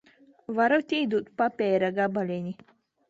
Varat iedot papīra gabaliņu?